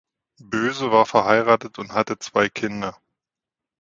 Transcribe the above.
Boese war verheiratet und hatte zwei Kinder.